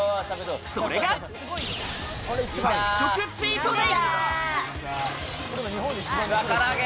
それが爆食チートデイ！